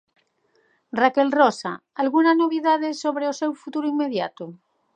Raquel Rosa, algunha novidade sobre o seu futuro inmediato?